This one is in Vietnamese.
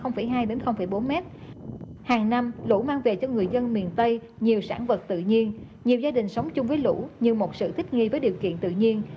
hàng năm lũ mang về cho người dân miền tây nhiều sản vật tự nhiên nhiều gia đình sống chung với lũ như một sự thích nghi với điều kiện tự nhiên